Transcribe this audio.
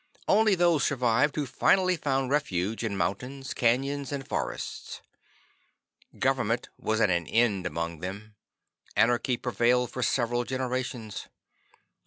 Only those survived who finally found refuge in mountains, canyons and forests. Government was at an end among them. Anarchy prevailed for several generations.